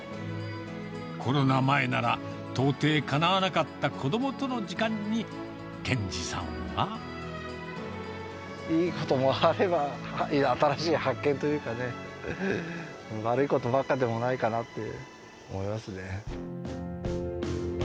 コロナ前なら、到底かなわなかった子どもとの時間に、健志さんは。いいこともあれば、新しい発見というかね、悪いことばっかでもないかなって思いますね。